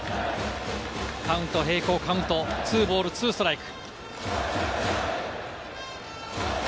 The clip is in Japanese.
カウントは平行カウント、２ボール２ストライク。